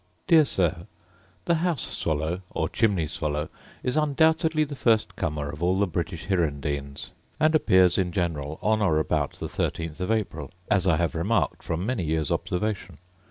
Dear Sir, The house swallow, or chimney swallow, is undoubtedly the first comer of all the British hirundines; and appears in general on or about the thirteenth of April, as I have remarked from many years' observation.